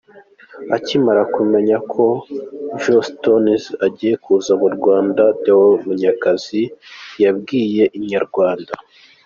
Akimara kumenya ko Joss Stone agiye kuza mu Rwanda, Deo Munyakazi yabwiye Inyarwanda.